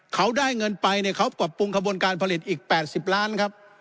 เขาได้เงินไปเนี่ยเขาปรับปรุงขบวนการผลิตอีก๘๐ล้านครับ